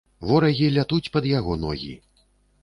Ворагі лягуць пад яго ногі.